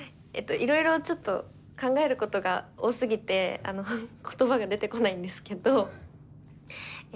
いろいろちょっと考えることが多すぎてあの言葉が出てこないんですけどえ